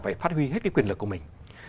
phải phát huy hết quyền lực của mình